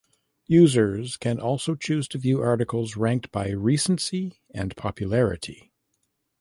Users can also choose to view articles ranked by recency and popularity.